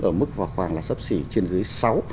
ở mức khoảng là sấp xỉ trên dưới sáu